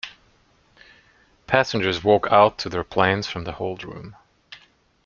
Passengers walk out to their planes from the holdroom.